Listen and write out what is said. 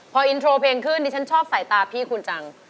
พออินโทรเพลงขึ้นดิฉันชอบสายตาพี่คุณจัง